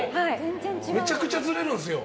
めちゃくちゃずれるんですよ。